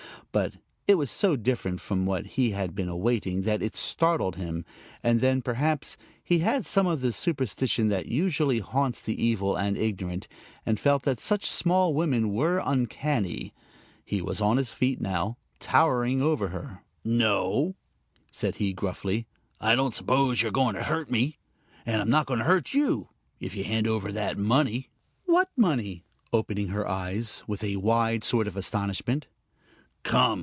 But it was so different from what he had been awaiting that it startled him; and then, perhaps, he had some of the superstition that usually haunts the evil and ignorant, and felt that such small women were uncanny. He was on his feet now, towering over her. "No," said he, gruffly; "I don't suppose you're going to hurt me. And I'm not going to hurt you, if you hand over that money." "What money?" opening her eyes with a wide sort of astonishment. "Come!